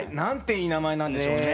いい名前なんでしょうね。